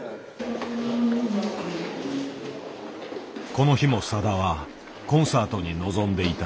この日もさだはコンサートに臨んでいた。